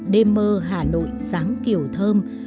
đêm mơ hà nội sáng kiểu thơm